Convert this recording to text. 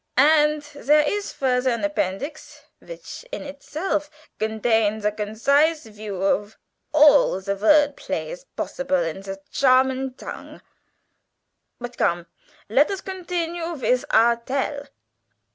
And zere is further an appendeeks which in itself gontains a goncise view of all ze vort blays possible in the Charman tong. But, come, let us gontinue vith our Tell!"